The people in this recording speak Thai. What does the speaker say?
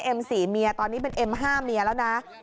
เอ็มสี่เมียตอนนี้เป็นเอ็มห้าเมียแล้วนะ